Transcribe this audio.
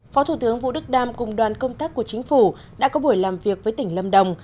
phó thủ tướng vũ đức đam cùng đoàn công tác của chính phủ đã có buổi làm việc với tỉnh lâm đồng